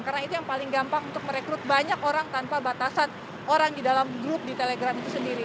karena itu yang paling gampang untuk merekrut banyak orang tanpa batasan orang di dalam grup di telegram itu sendiri